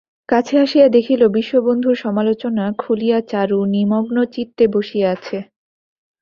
কাছে আসিয়া দেখিল, বিশ্ববন্ধুর সমালোচনা খুলিয়া চারু নিমগ্নচিত্তে বসিয়া আছে।